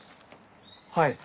はい。